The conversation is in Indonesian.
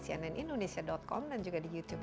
cnnindonesia com dan juga di youtube